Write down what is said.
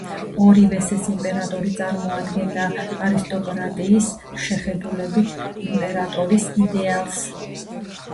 ორივე ეს იმპერატორი წარმოადგენდა არისტოკრატიის შეხედულებით იმპერატორის იდეალს.